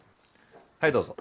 はいどうぞ。